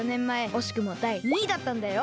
おしくもだい２位だったんだよ。